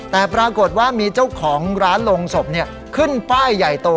แต่ปรากฏว่ามีเจ้าของร้านลงศพขึ้นป้ายใหญ่โต